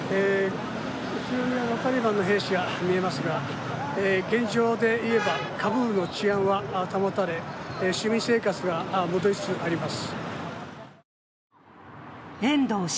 後ろにタリバンの兵士が見えますが現状でいえば、カブールの治安は保たれ、市民生活は戻りつつあります。